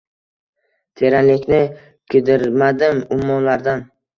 Teranlikni kidirmadim ummonlardan